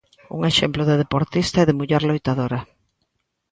Un exemplo de deportista e de muller loitadora.